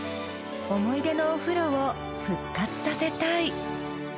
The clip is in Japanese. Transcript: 思い出のお風呂を復活させたい。